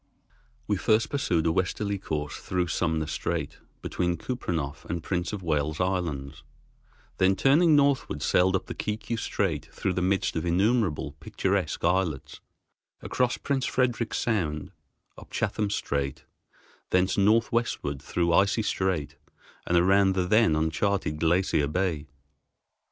We first pursued a westerly course, through Sumner Strait, between Kupreanof and Prince of Wales Islands, then, turning northward, sailed up the Kiku Strait through the midst of innumerable picturesque islets, across Prince Frederick's Sound, up Chatham Strait, thence northwestward through Icy Strait and around the then uncharted Glacier Bay.